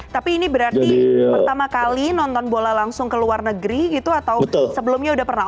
tapi ini berarti pertama kali nonton bola langsung ke luar negeri gitu atau sebelumnya udah pernah